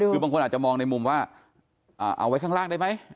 คือบางคนอาจจะมองในมุมว่าเอาไว้ข้างล่างได้ไหม